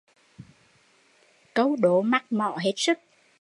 Câu đố mắc mỏ hết sức